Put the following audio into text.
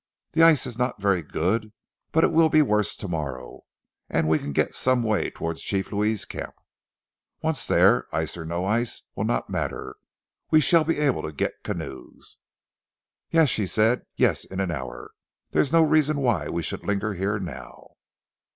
"The ice is not very good, but it will be worse tomorrow, and we can get some way towards Chief Louis' camp. Once there, ice or no ice will not matter. We shall be able to get canoes." "Yes," she said, "Yes, in an hour. There is no reason why we should linger here now."